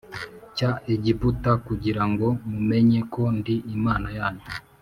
cya Egiputa kugira ngo mumenye ko ndi Imana yanyu